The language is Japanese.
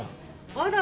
あら！？